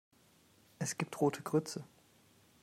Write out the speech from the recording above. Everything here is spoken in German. Es gibt rote Grütze.